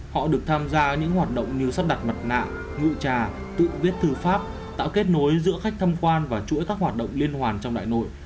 họ được tham gia những hoạt động như sắp đặt mặt nạ ngự trà tự viết thư pháp tạo kết nối giữa khách tham quan và chuỗi các hoạt động liên hoàn trong đại nội